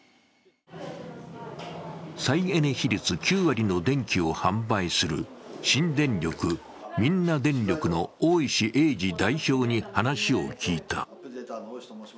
再エネ比率９割の電気を販売する新電力、みんな電力の大石英司代表に話を聞いた。